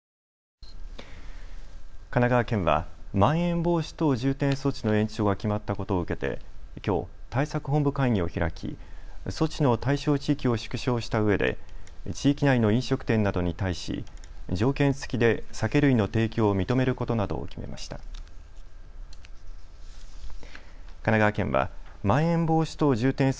神奈川県はまん延防止等重点措置の延長が決まったことを受けてきょう、対策本部会議を開き措置の対象地域を縮小したうえで地域内の飲食店などに対し条件付きで酒類の提供を認めることなどを決めました。